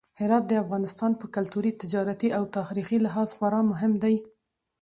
هرات د افغانستان په کلتوري، تجارتي او تاریخي لحاظ خورا مهم دی.